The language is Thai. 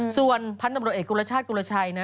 ส่วนพันธุ์ตำรวจเอกกุลชาติกุลชัยนะ